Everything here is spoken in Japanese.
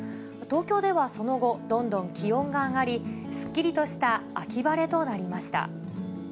東京ではその後、どんどん気温が上がり、すっきりとした秋晴れとなりました。